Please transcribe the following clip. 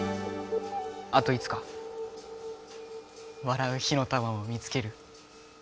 あといつか笑う火の玉を見つける。